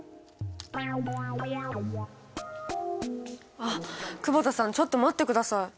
あっ久保田さんちょっと待ってください。